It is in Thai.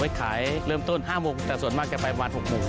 ขายเริ่มต้น๕โมงแต่ส่วนมากจะไปประมาณ๖โมง